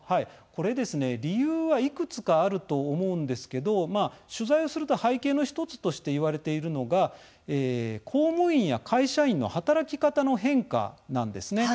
これですね、理由はいくつかあると思うんですけど取材をすると背景の１つとしていわれているのが公務員や会社員の働き方の変化なんですね。